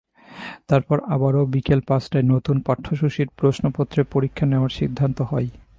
তারপর আবারও বিকেল পাঁচটায় নতুন পাঠ্যসূচির প্রশ্নপত্রে পরীক্ষা নেওয়ার সিদ্ধান্ত হয়।